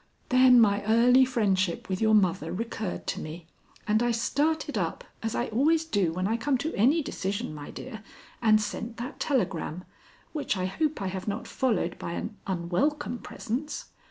"Then my early friendship with your mother recurred to me, and I started up as I always do when I come to any decision, my dear and sent that telegram, which I hope I have not followed by an unwelcome presence."